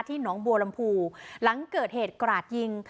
หนองบัวลำพูหลังเกิดเหตุกราดยิง